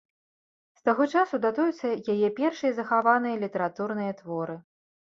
З таго часу датуюцца яе першыя захаваныя літаратурныя творы.